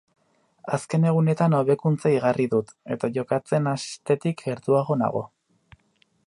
Azken egunetan hobekuntza igarri dut, eta jokatzen hastetik gertuago nago.